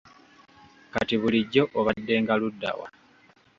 Kati bulijjo obaddenga ludda wa?